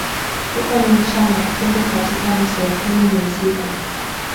Huko ni mchana, kumbe katika nusu ya pili ni usiku.